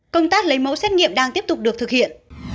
công tác lấy mẫu xét nghiệm đang tiếp tục được thực hiện